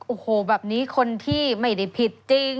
โอ้โหแบบนี้คนที่ไม่ได้ผิดจริง